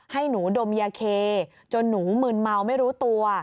ให้หนูดมยาเคจนหนูมืนเมาไม่รู้ตัว